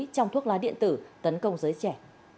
trong thuốc lá điện tử tấn công giới trẻ